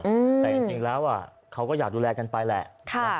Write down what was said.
แต่จริงแล้วอ่ะเขาก็อยากดูแลกันไปแหละค่ะ